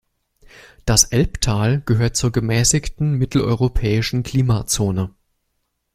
Das Elbtal gehört zur gemäßigten mitteleuropäischen Klimazone.